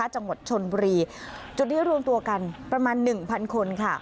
จุดนี้รวมตัวกันประมาณ๑๐๐๐คนค่ะ